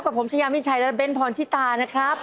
ผมชายามิชัยและเบ้นพรชิตานะครับ